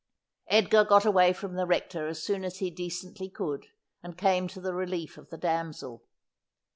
Edgar got away from the Rector as soon as he decently could, and came to the relief of the damsel.